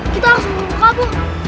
kita harus menunggu kabut